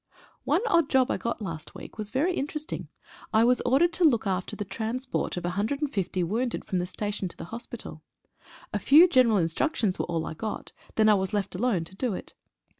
One odd job I got last week was very interesting. I was ordered to look after the transport of 150 wounded from the station to the hospital. A few general instruc tions were all I got, then I was left alone to do it.